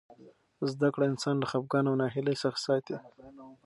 زده کړه انسان له خفګان او ناهیلۍ څخه ساتي.